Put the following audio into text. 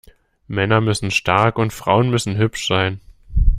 Männer müssen stark und Frauen müssen hübsch sein.